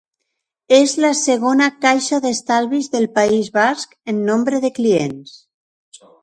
És la segona caixa d'estalvis del País Basc en nombre de clients.